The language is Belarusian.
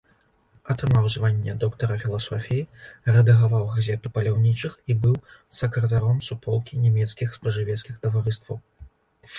Атрымаў званне доктара філасофіі, рэдагаваў газету паляўнічых і быў сакратаром суполкі нямецкіх спажывецкіх таварыстваў.